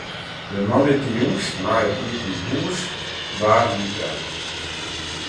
De moandeitejûns nei it iepen hús waarden wy belle.